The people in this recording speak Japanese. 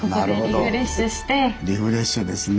リフレッシュですね。